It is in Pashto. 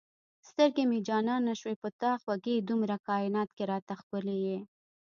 سترګې مې جانانه شوې په تا خوږې دومره کاینات کې را ته ښکلی یې